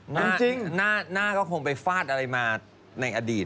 ดูดิหน้าเค้าคงไปฟาดอะไรมาในอดีต